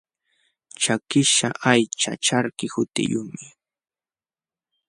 Chakiśhqa aycha charki hutiyuqmi.